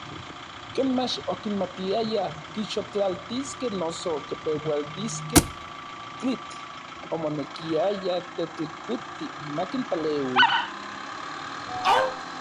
Ken mach okimatiayaj kixotlaltiskej noso kipeualtiskej tlitl, omonekiaya Tetlikuiti makinpaleui.